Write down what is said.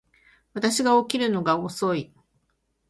私は起きるのが遅い